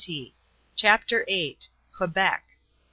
CHAPTER VIII. QUEBEC.